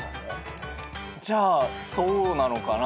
じゃあそうなのかな。